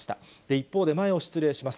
一方で、前を失礼します。